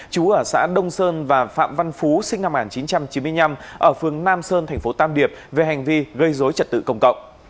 chú ở xã đông sơn và phạm văn phú sinh năm một nghìn chín trăm chín mươi năm ở phường nam sơn thành phố tam điệp về hành vi gây dối trật tự công cộng